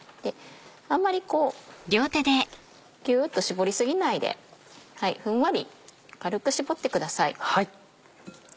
あんまりこうギュっと絞り過ぎないでふんわり軽く絞ってください。